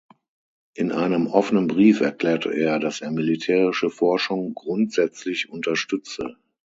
In einem offenen Brief erklärte er, dass er militärische Forschung grundsätzlich unterstütze.